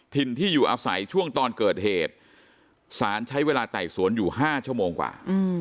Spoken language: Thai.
ถิ่นที่อยู่อาศัยช่วงตอนเกิดเหตุสารใช้เวลาไต่สวนอยู่๕ชั่วโมงกว่า